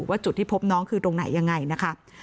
จุดที่พบน้องคือตรงไหนยังไงนะคะ